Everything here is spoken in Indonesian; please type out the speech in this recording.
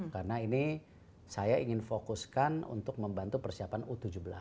karena ini saya ingin fokuskan untuk membantu persiapan u tujuh belas